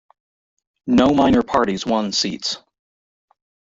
No minor parties won seats.